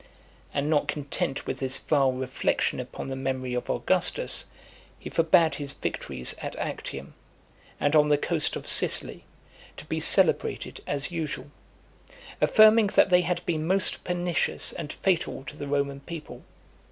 And not content with this vile reflection upon the memory of Augustus, he forbad his victories at Actium, and on the coast of Sicily, to be celebrated, as usual; affirming that they had been most pernicious and fatal to the Roman people.